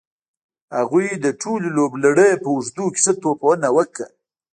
هغوی د ټولې لوبلړۍ په اوږدو کې ښه توپ وهنه وکړه.